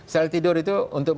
sel tidur itu untuk